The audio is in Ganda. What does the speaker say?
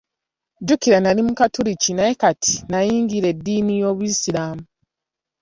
Jjukira nnali Mukatuliki naye kati n'ayingira eddiini y'Obusiraamu.